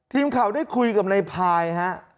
ทีมข่าวได้คุยกับนายพลายครับ